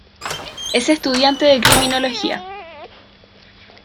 Es estudiante de Criminología.